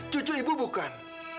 cucu ibu bukan